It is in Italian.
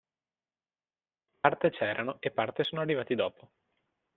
Parte c'erano e parte sono arrivati dopo.